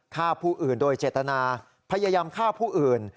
ฆ่าผู้อื่นโดยเจตนาพยายามฆ่าผู้อื่น